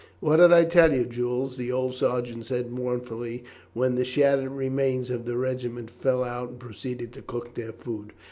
"What did I tell you, Jules?" the old sergeant said mournfully, when the shattered remains of the regiment fell out and proceeded to cook their food.